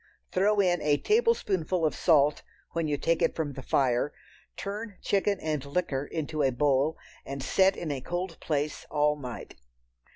Throw in a tablespoonful of salt when you take it from the fire, turn chicken and liquor into a bowl and set in a cold place all night.